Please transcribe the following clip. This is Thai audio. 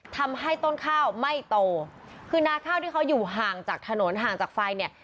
ทำให้ต้นข้าวไม่โตคือนาข้าวที่เขาอยู่ห่างจากถนนห่างจากไฟเนี่ย